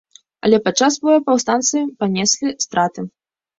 Але падчас бою паўстанцы панеслі страты.